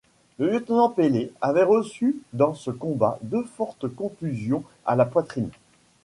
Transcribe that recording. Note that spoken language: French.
Le lieutenant Pellé avait reçu dans ce combat deux fortes contusions à la poitrine.